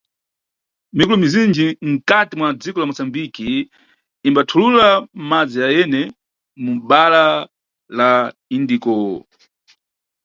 Mikulo mizinji nkhati mwa dziko la Moçambique imbathulula madzi yayene mu bhara la Indiko.